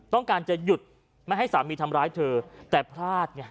ต้องการจะหยุดไม่ให้สามีทำร้ายเธอแต่พลาดไง